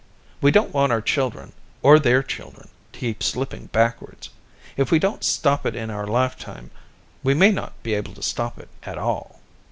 We don't want our children, or their children, to keep slipping backwards. If we don't stop it in our lifetime, we may not be able to stop it at all.